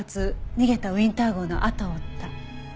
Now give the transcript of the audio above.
逃げたウィンター号のあとを追った。